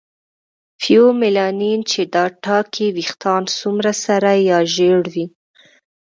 فیومیلانین چې دا ټاکي ویښتان څومره سره یا ژېړ وي.